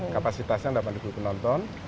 kapasitasnya delapan penonton